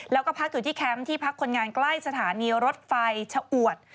แล้วก็พักอยู่ที่แคมป์ที่พักคนงานใกล้สถานีรถไฟชะอวด